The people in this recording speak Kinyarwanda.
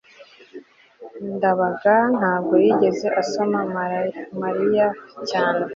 ndabaga ntabwo yigeze asoma mariya cyane